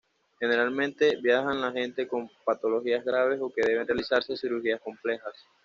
Generalmente viajan la gente con patologías graves o que deben realizarse cirugías complejas.